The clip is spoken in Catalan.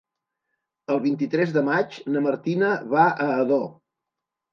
El vint-i-tres de maig na Martina va a Ador.